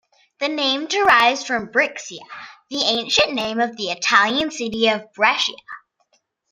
The name derives from "Brixia", the ancient name of the Italian city of Brescia.